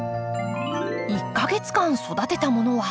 １か月間育てたものは？